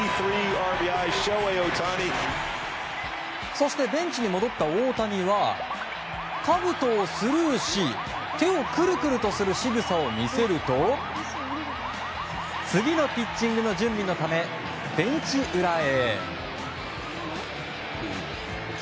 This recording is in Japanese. そしてベンチに戻った大谷はかぶとをスルーし手をクルクルとするしぐさを見せると次のピッチングの準備のためベンチ裏へ。